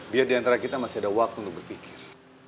dia diantara kita masih ada waktu untuk berpikir